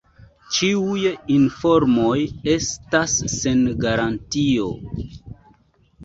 Ĉiuj informoj estas sen garantio.